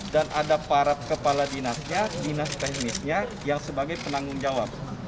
dan ada para kepala dinasnya dinas teknisnya yang sebagai penanggung jawab